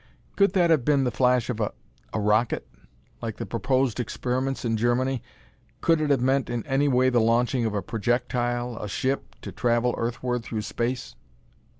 Could that have been the flash of a a rocket? Like the proposed experiments in Germany. Could it have meant in any way the launching of a projectile a ship to travel Earthward through space?"